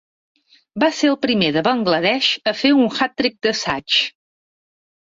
Va ser el primer de Bangladesh a fer un hat-trick d'assaig.